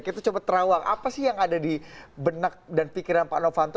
kita coba terawang apa sih yang ada di benak dan pikiran pak novanto